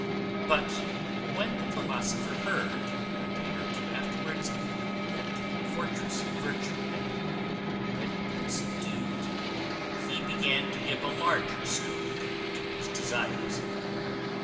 But when the philosopher heard, a day or two afterwards, that the fortress of virtue had already been subdued, he began to give a larger scope to his desires.